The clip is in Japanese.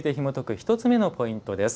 １つ目のポイントです。